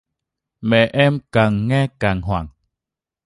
Mẹ em càng nghe càng hoảng